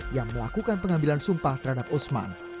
yang melakukan pengambilan sumpah terhadap usman